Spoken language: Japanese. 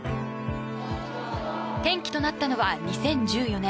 転機となったのは、２０１４年。